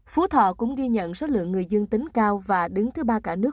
phú thọ cũng ghi nhận số lượng người dương tính cao và đứng thứ ba cả nước